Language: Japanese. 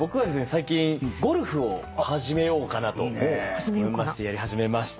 最近ゴルフを始めようかなと思いましてやり始めました。